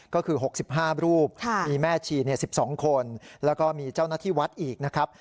ก็คือ๖๕รูปมีแม่ชี๑๒คนแล้วก็มีเจ้าหน้าที่วัดอีกนะครับ